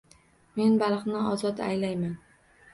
Men baliqni ozod aylayman